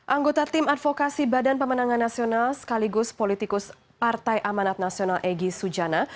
anggota tim advokasi badan pemenangan nasional sekaligus politikus partai amanat nasional egy sujana